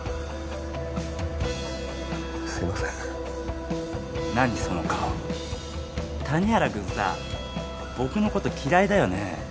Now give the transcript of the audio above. すいません何その顔谷原君さ僕のこと嫌いだよね